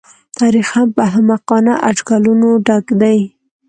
تاریخ هم په احمقانه اټکلونو ډک دی.